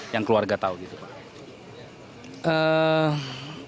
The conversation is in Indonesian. yang keluarga tahu gitu pak